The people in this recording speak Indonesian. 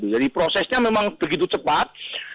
jadi prosesnya memang begitu cepat